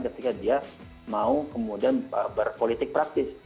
ketika dia mau kemudian berpolitik praktis